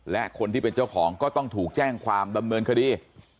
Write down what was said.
และคนที่เป็นเจ้าของก็ต้องถูกแจ้งความดำเนินคดี